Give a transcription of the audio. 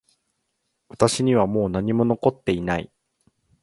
私にはもう何も残っていない